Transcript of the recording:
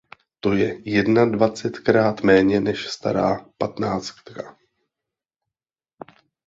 To je jednadvacetkrát méně než stará patnáctka.